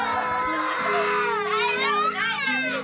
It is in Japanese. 大丈夫大丈夫。